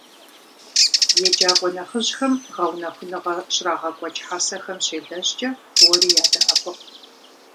ЕджакӀуэ нэхъыжьхэм гъэунэхуныгъэ щрагъэкӀуэкӀ хьэсэхэм щелэжькӀэ уэри ядэӀэпыкъу.